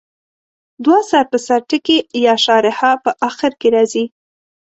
دوه سر په سر ټکي یا شارحه په اخر کې راځي.